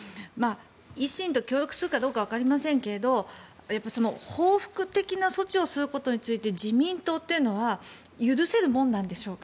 維新と協力するかどうか分かりませんけど報復的な措置をすることについて自民党というのは許せるものでしょうか。